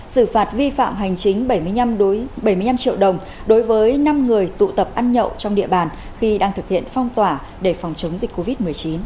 xử phạt vi phạm hành chính bảy mươi năm bảy mươi năm triệu đồng đối với năm người tụ tập ăn nhậu trong địa bàn khi đang thực hiện phong tỏa để phòng chống dịch covid một mươi chín